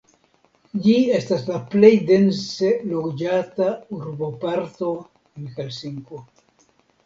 Ĝi estas la plej dense loĝata urboparto en Helsinko.